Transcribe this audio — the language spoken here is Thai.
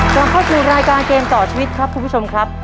กลับเข้าสู่รายการเกมต่อชีวิตครับคุณผู้ชมครับ